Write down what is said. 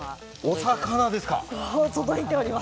お魚ですか？